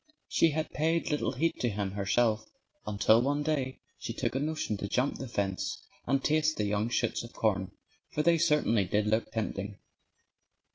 She had paid little heed to him, herself, until one day she took a notion to jump the fence and taste the young shoots of corn. For they certainly did look tempting.